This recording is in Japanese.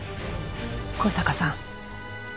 向坂さん。